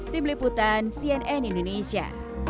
tim liputan cnn indonesia